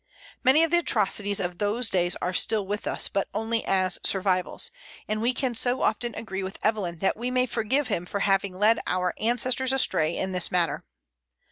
Many of the atrocities of those days are still with us, but only as survivals; and we can so often agree with Evelyn that we may forgive him for having led our ancestors astray in this matter.